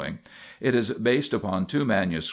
it is based upon two MSS.